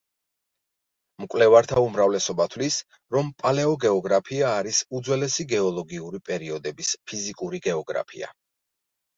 მკვლევართა უმრავლესობა თვლის, რომ პალეოგეოგრაფია არის უძველესი გეოლოგიური პერიოდების ფიზიკური გეოგრაფია.